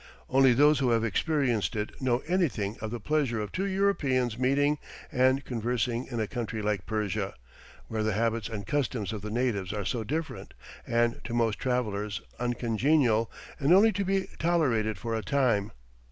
Only those who have experienced it know anything of the pleasure of two Europeans meeting and conversing in a country like Persia, where the habits and customs of the natives are so different, and, to most travellers, uncongenial, and only to be tolerated for a time.